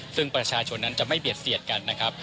ซึ่งประชาชนนั้นจะไม่เบียดเสียดกันนะครับ